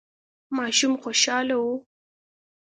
ماشوم خوشاله و.